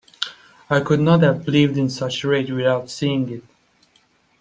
I could not have believed in such rage without seeing it.